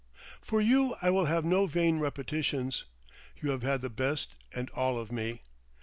For you I will have no vain repetitions. You have had the best and all of me.